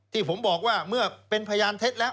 ที่ผมบอกว่าเมื่อเป็นพยานเท็จแล้ว